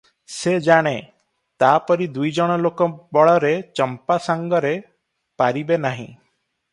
ସେ ଜାଣେ ତା'ପରି ଦୁଇଜଣ ଲୋକ ବଳରେ ଚମ୍ପା ସାଙ୍ଗରେ ପାରିବେ ନାହିଁ ।